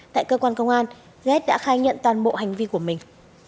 tại cơ quan công an ghét đã khai nhận toàn bộ hành vi của mình